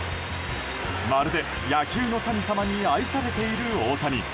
まるで、野球の神様に愛されている大谷。